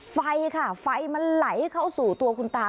ไฟค่ะไฟมันไหลเข้าสู่ตัวคุณตา